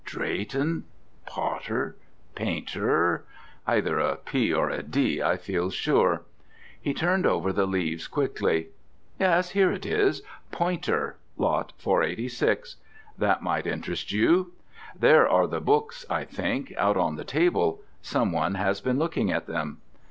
Drayton? Potter? Painter either a P or a D, I feel sure." He turned over the leaves quickly. "Yes, here it is. Poynter. Lot 486. That might interest you. There are the books, I think: out on the table. Some one has been looking at them.